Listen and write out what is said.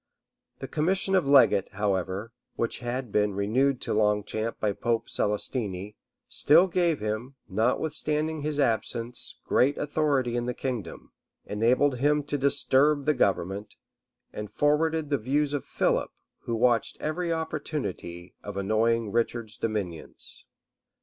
The commission of legate, however, which had been renewed to Longchamp by Pope Celestine, still gave him, notwithstanding his absence, great authority in the kingdom, enabled him to disturb the government, and forwarded the views of Philip, who watched every opportunity of annoying Richard's dominions.